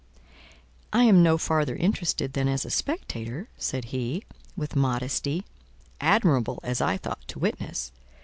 "I am no farther interested than as a spectator," said he, with a modesty, admirable, as I thought, to witness.